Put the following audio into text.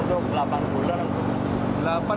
untuk delapan bulan